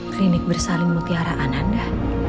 klinik bersalin mutiara ananda